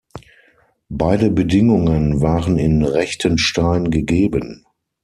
Beide Bedingungen waren in Rechtenstein gegeben.